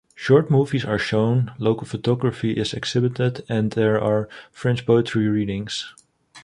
Short movies are shown, local photography is exhibited, and there are French poetry readings.